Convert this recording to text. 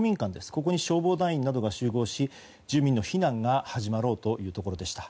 ここに消防団員などが集合し住民の避難が始まろうというところでした。